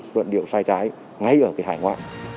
luận điệu sai trái ngay ở cái hải hoạ